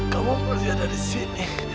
kamu masih ada di sini